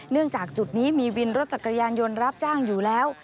จากจุดนี้มีวินรถจักรยานยนต์รับจ้างอยู่แล้ว